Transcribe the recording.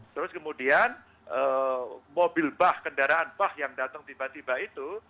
terus kemudian mobil bah kendaraan bah yang datang tiba tiba itu